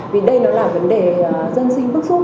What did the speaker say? vì đây nó là vấn đề dân sinh bước xuống